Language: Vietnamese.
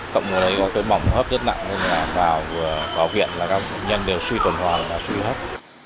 cộng với bỏng hấp rất nặng nên vào viện các bệnh nhân đều suy tổn hòa và suy hấp